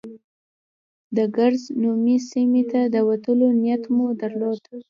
د کرز نومي سیمې ته د ورتلو نیت مو درلود.